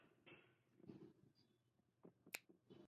比塔朗伊什是葡萄牙波尔图区的一个堂区。